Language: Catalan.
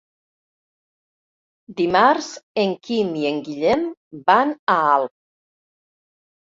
Dimarts en Quim i en Guillem van a Alp.